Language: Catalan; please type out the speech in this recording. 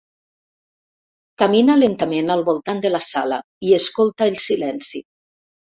Camina lentament al voltant de la sala i escolta el silenci.